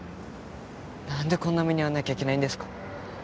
なんでこんな目に遭わなきゃいけないんですか？